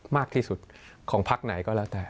มากที่สุดของพักไหนก็แล้วแต่